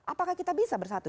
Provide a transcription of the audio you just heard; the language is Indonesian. apakah kita bisa bersatu